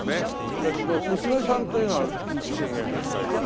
えっと娘さんというのは信玄の時代から。